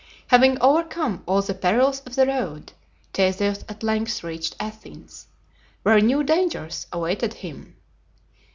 Having overcome all the perils of the road, Theseus at length reached Athens, where new dangers awaited him.